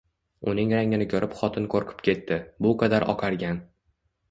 Uning rangini koʻrib xotin qoʻrqib ketdi – bu qadar oqargan!